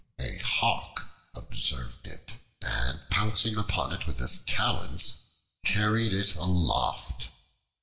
A Hawk observed it, and, pouncing upon it with his talons, carried it aloft.